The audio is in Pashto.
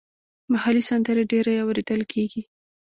محلي سندرې ډېرې اوریدل کیږي.